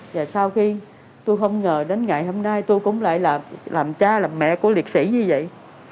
và sau khi tôi không ngờ đến ngày hôm nay tôi cũng lại là làm cha làm mẹ của liệt sĩ như vậy